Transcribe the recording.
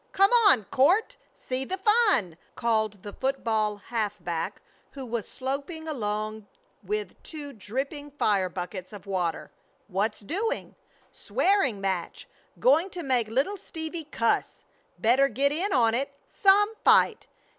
"Come on, Court, see the fun!" called the football half back, who was slopping along with two dripping fire buckets of water. "What's doing?" "Swearing match! Going to make Little Stevie cuss! Better get in on it. Some fight!